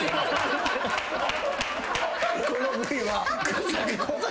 このＶは。